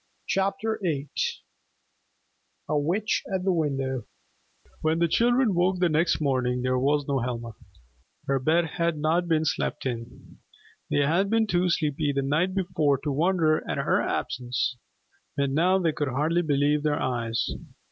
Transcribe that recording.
CHAPTER VIII A WITCH AT THE WINDOW When the children woke the next morning, there was no Helma. Her bed had not been slept in. They had been too sleepy the night before to wonder at her absence, but now they could hardly believe their eyes.